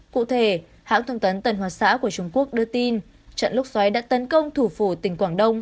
cụ thể hãng thông tấn tân hoa xã của trung quốc đưa tin trận lốc xoáy đã tấn công thủ phủ tỉnh quảng đông